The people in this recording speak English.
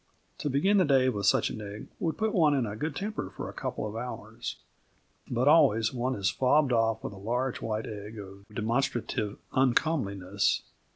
To begin the day with such an egg would put one in a good temper for a couple of hours. But always one is fobbed off with a large white egg of demonstrative uncomeliness.